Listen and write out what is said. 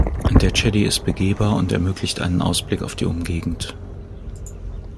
Der Chedi ist begehbar und ermöglicht einen Ausblick auf die Umgegend.